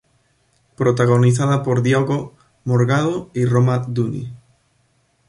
Protagonizada por Diogo Morgado y Roma Downey.